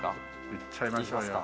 いっちゃいましょうよ。